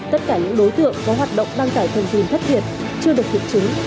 tất cả những đối tượng có hoạt động đăng tải thông tin thất thiệt chưa được kiểm chứng